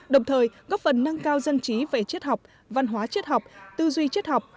đồng thời góp phần nâng cao dân trí về chất học văn hóa chất học tư duy chất học